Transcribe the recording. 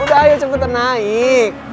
udah ayo cepetan naik